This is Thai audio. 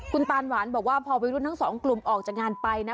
คุณตานหวานบอกว่าพอวัยรุ่นทั้งสองกลุ่มออกจากงานไปนะ